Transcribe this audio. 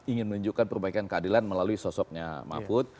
ingin menunjukkan perbaikan keadilan melalui sosoknya mahfud